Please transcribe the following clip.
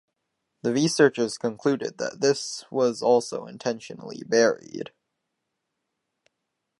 The researchers concluded that this also was intentionally buried.